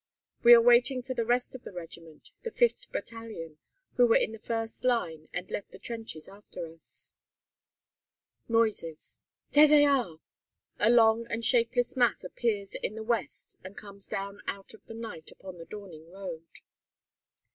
We are waiting for the rest of the regiment, the 5th Battalion, who were in the first line and left the trenches after us. Noises; "There they are!" A long and shapeless mass appears in the west and comes down out of the night upon the dawning road.